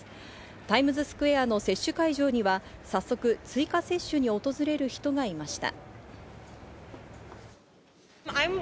タイムズスクエアの接種会場には早速、追加接種に訪れる人がいました。